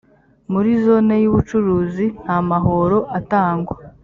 muri zone y’ubucuruzi nta mahoro atangwa